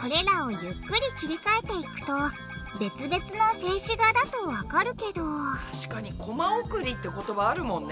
これらをゆっくり切り替えていくと別々の静止画だとわかるけど確かにコマ送りって言葉あるもんね。